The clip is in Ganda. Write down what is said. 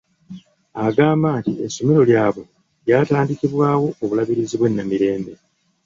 Agamba nti essomero lyabwe lyatandikibwawo obulabirizi bwe Namirembe.